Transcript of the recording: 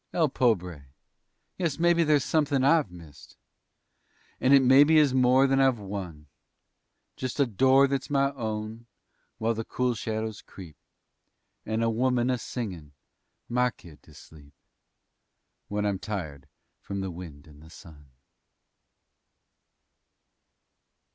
El pobre! Yes, mebbe there's somethin' I've missed, And it mebbe is more than I've won Just a door that's my own, while the cool shadows creep, And a woman a singin' my kid to sleep When I'm tired from the wind and the sun.